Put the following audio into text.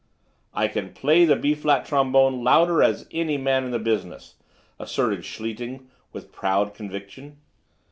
"I can play the B flat trombone louder as any man in the business," asserted Schlichting with proud conviction.